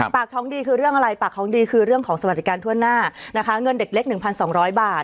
ปากท้องดีคือเรื่องของสวัสดิการท่วงหน้าเงินเด็กเล็ก๑๒๐๐บาท